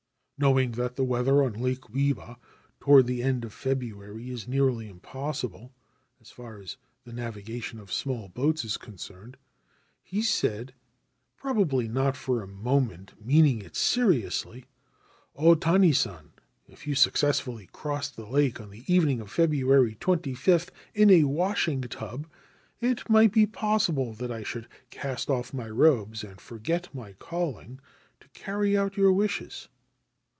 Knowing that the weather on Lake Biwa towards the end of February is nearly impossible as far as the navigation of small boats is concerned, he said, probably not for a moment meaning it seriously : 4 " O Tani San, if you successfully crossed the lake on the evening of February 25 in a washing tub, it might be possible that 1 should cast off my robes and forget my calling to carry out your wishes."